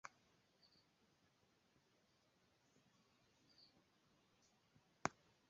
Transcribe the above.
Li laboris kiel bibliotekisto en Ĝenevo kaj Lugano.